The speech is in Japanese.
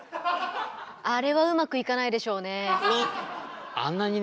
あれはうまくいかないでしょうね。